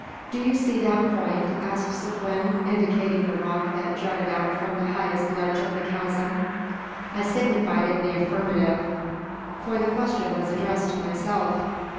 "Do you see that point?" asked Seguin, indicating a rock that jutted out from the highest ledge of the chasm. I signified in the affirmative, for the question was addressed to myself.